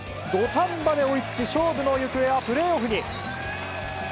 土壇場で追いつき、勝負の行方はプレーオフに。